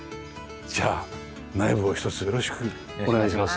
じゃあ内部をひとつよろしくお願いします。